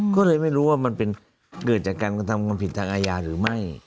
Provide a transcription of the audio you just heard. ก็เลยไม่รู้ว่ามันเป็นเกิดจากการกระทำความผิดทางอาญาหรือไม่